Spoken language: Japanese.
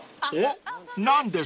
［何です？］